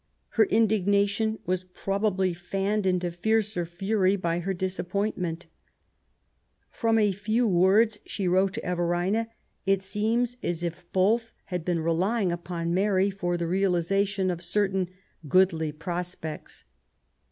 Her indignation was probably fanned into fiercer fury by her disappointment. Prom a few words she wrote to Everina it seems as if both had been relying upon Mary for the realization of certain '* goodly prospects.'